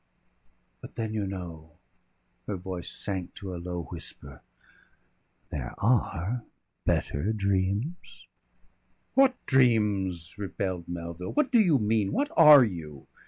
But then you know " Her voice sank to a low whisper. "There are better dreams." "What dreams?" rebelled Melville. "What do you mean? What are you?